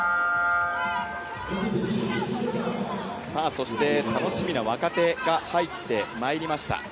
そして楽しみな若手が入ってまいりました。